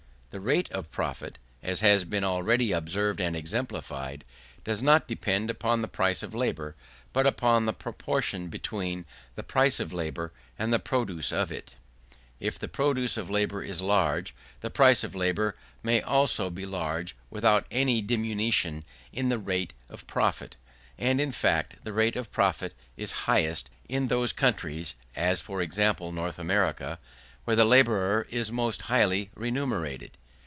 The rate of profit (as has been already observed and exemplified) does not depend upon the price of labour, but upon the proportion between the price of labour and the produce of it. If the produce of labour is large, the price of labour may also be large without any diminution of the rate of profit: and, in fact, the rate of profit is highest in those countries (as, for instance, North America) where the labourer is most largely remunerated.